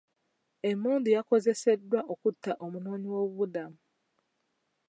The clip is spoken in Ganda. Emmundu yakozeseddwa okutta omunoonyiwoobubudamu.